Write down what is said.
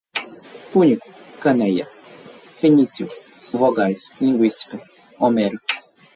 púnico, cananeia, fenício, vogais, linguística, Homero